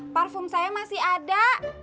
parfum saya masih ada